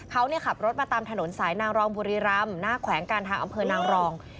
เขาขับรถมาตามถนนสายนางรองบุรีรำหน้าแขวงการทางอำเภอนางรอง